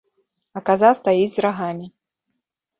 А каза стаіць з рагамі!